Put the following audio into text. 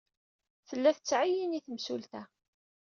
Tella tettɛeyyin i temsulta.